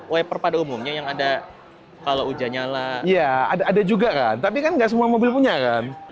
wiper pada umumnya yang ada kalau ujiannya lah ya ada juga tapi kan nggak semua mobil punya kan